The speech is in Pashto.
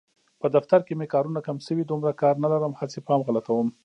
په دفتر کې مې کارونه کم شوي، دومره کار نه لرم هسې پام غلطوم.